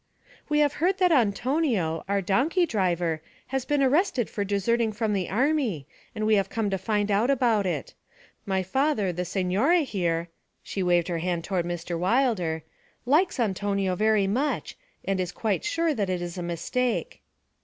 'We have heard that Antonio, our donkey driver, has been arrested for deserting from the army and we have come to find out about it. My father, the signore here' she waved her hand toward Mr. Wilder 'likes Antonio very much, and is quite sure that it is a mistake.'